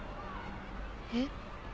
えっ？